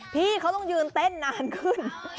พี่เขาต้องยืนเต้นนานขึ้น